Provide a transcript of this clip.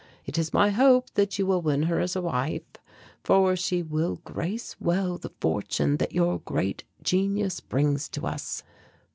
It is my hope that you will win her as a wife, for she will grace well the fortune that your great genius brings to us.